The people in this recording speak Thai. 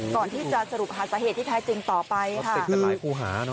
ก่อนที่จะสรุปหาสาเหตุที่แท้จริงต่อไปค่ะ